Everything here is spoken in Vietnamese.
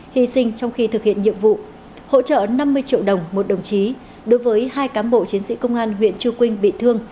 hy sinh trong khi thực hiện nhiệm vụ hỗ trợ năm mươi triệu đồng một đồng chí đối với hai cán bộ chiến sĩ công an huyện chư quynh bị thương